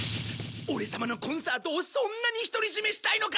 オレ様のコンサートをそんなに独り占めしたいのか。